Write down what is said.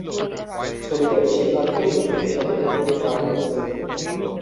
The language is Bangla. ছবিতে বেশির ভাগ দৃশ্য স্পেশাল ইফেক্ট দিয়ে করা হয়েছে।